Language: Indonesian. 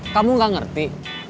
kamu gak ngerti